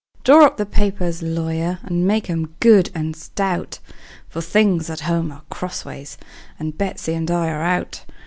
Draw up the papers, lawyer, and make 'em good and stout; For things at home are crossways, and Betsey and I are out.